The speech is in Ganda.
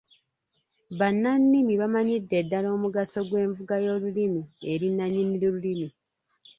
Bannannimi bamanyidde ddala omugaso gw’envuga y’olulimi eri nnannyini lulimi.